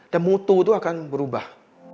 dan mutu itu akan berubah